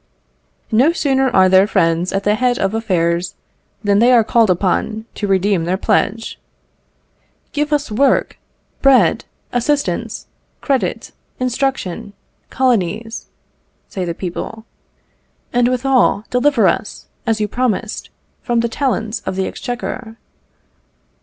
No sooner are their friends at the head of affairs, than they are called upon to redeem their pledge. "Give us work, bread, assistance, credit, instruction, colonies," say the people; "and withal deliver us, as you promised, from the talons of the exchequer."